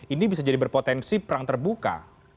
ini bisa jadi berpotensi perang terbuka